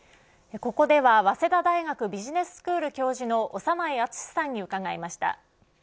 ここでは、早稲田大学ビジネススクール教授の長内厚さんに伺いました。